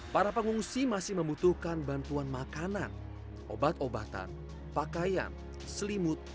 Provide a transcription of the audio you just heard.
para pengungsi masih membutuhkan bantuan makanan obat obatan pakaian selimut